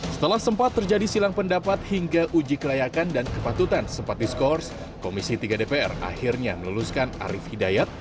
setelah sempat terjadi silang pendapat hingga uji kelayakan dan kepatutan sempat diskors komisi tiga dpr akhirnya meluluskan arief hidayat